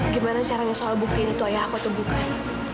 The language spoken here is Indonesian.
gimana caranya soal buktiin itu ayah aku atau bukan